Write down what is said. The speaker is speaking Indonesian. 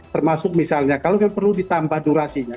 termasuk misalnya kalau perlu ditambah durasinya